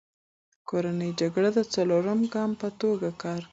کورنی جرګه د څلورم ګام په توګه کار کوي.